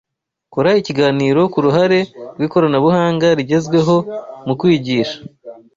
Kora ikiganiro ku ruhare rw'ikoranabuhanga rigezweho mu kwigisha